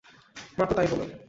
মাতো তাই বলে।